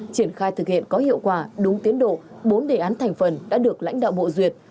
triển khai thực hiện có hiệu quả đúng tiến độ bốn đề án thành phần đã được lãnh đạo bộ duyệt